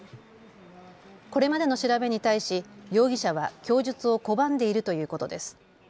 これまでの調べに対し容疑者は供述を拒んでいるということです。